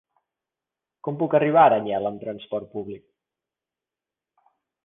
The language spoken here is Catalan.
Com puc arribar a Aranyel amb transport públic?